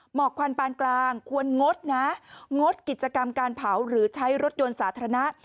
หมอกควันปานกลางควรงดนะงดกิจกรรมการเผาหรือใช้รถยนต์สาธารณะ